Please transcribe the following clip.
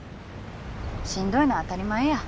しんどいのは当たり前や。